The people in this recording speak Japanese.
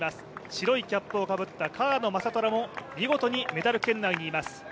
白いキャップをかぶった川野将虎も見事にメダル圏内にいます。